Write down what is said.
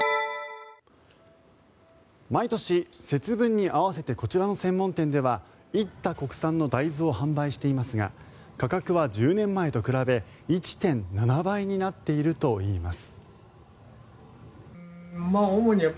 毎年、節分に合わせてこちらの専門店では煎った国産の大豆を販売していますが価格は１０年前と比べ１．７倍になっているといいます。